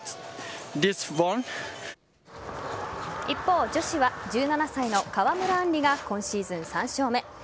一方、女子は１７歳の川村あんりが今シーズン３勝目。